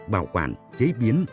bảo quản chế biến